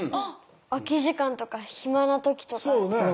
空き時間とか暇な時とかすぐできる！